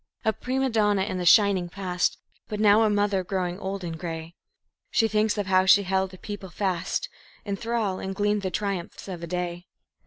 A prima donna in the shining past, But now a mother growing old and gray, She thinks of how she held a people fast In thrall, and gleaned the triumphs of a day.